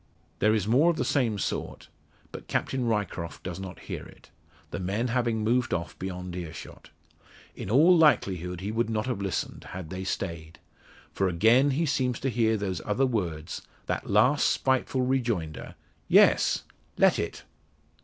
There is more of the same sort, but Captain Ryecroft does not hear it; the men having moved off beyond earshot. In all likelihood he would not have listened, had they stayed. For again he seems to hear those other words that last spiteful rejoinder "Yes; let it."